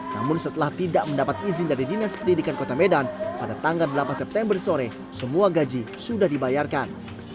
namun setelah tidak mendapat izin dari dinas pendidikan kota medan pada tanggal delapan september sore semua gaji sudah dibayarkan